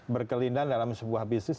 berkelindang dalam sebuah bisnis